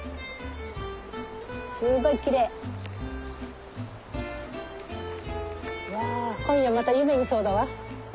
すごいきれい。わ今夜また夢見そうだわ。